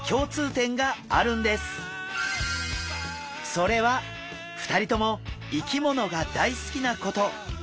それは２人とも生き物が大好きなこと。